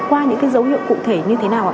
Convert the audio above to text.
qua những cái dấu hiệu cụ thể như thế nào ạ